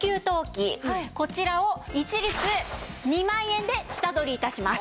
こちらを一律２万円で下取り致します。